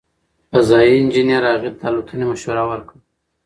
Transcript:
فضايي انجنیر هغې ته د الوتنې مشوره ورکړه.